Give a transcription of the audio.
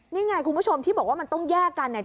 นี่ไงคุณผู้ชมที่บอกว่ามันต้องแยกกันเนี่ย